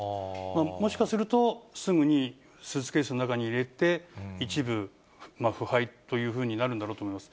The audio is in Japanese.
もしかすると、すぐにスーツケースの中に入れて、一部腐敗というふうになるんだろうと思います。